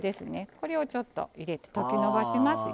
これをちょっと入れて溶きのばしますよ。